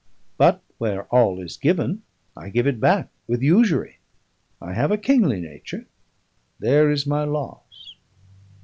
But where all is given I give it back with usury. I have a kingly nature: there is my loss!"